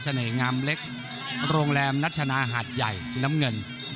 งามเล็กโรงแรมนัชนาหาดใหญ่น้ำเงิน